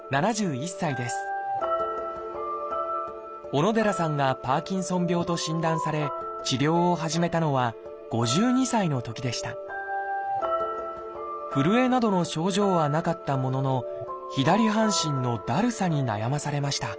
小野寺さんがパーキンソン病と診断され治療を始めたのは５２歳のときでしたふるえなどの症状はなかったものの左半身のだるさに悩まされました